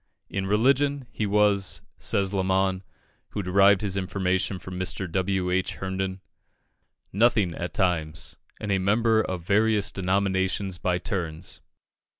In religion, he was, says Lamon, who derived his information from Mr. W. H. Herndon, "nothing at times, and a member of various denominations by turns."